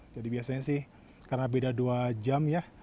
jadi biasanya sih karena beda dua jam ya